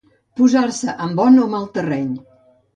Posar-se en bon o mal terreny.